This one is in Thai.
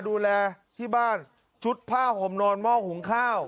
ดูแลที่บ้านชุดผ้าห่มนอนหม้อหุงข้าว